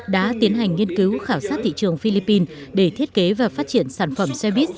đã tiến hành nghiên cứu khảo sát thị trường philippines để thiết kế và phát triển sản phẩm xe buýt